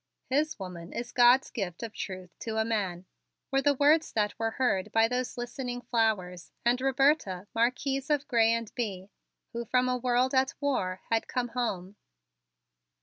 "His woman is God's gift of truth to a man," were the words that were heard by those listening flowers and Roberta, Marquise of Grez and Bye, who from a world at war had come home.